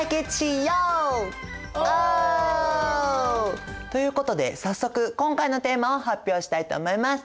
お！ということで早速今回のテーマを発表したいと思います。